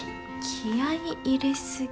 気合い入れ過ぎ？